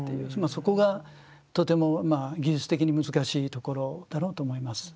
そこがとてもまあ技術的に難しいところだろうと思います。